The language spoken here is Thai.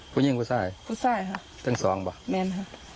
ผู้หญิงคู่ชายครับทั้งสองครับ